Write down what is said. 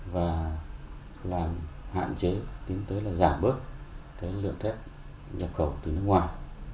và làm hạn chế tính tới là giảm bớt lượng thép nhập khẩu từ nước ngoài